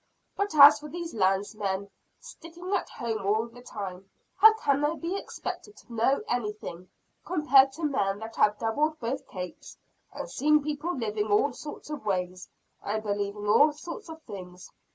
But as for these landsmen, sticking at home all the time, how can they be expected to know anything compared to men that have doubled both Capes, and seen people living all sorts of ways, and believing all sorts of things?